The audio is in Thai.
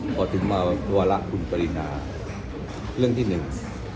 พอถึงมาวาระคุณปรินาเรื่องที่หนึ่ง